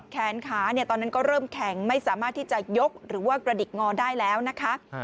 แขนขาตอนนั้นก็เริ่มแข็งไม่สามารถที่จะยกหรือว่ากระดิกงอได้แล้วนะคะ